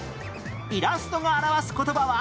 イラストが表す言葉は？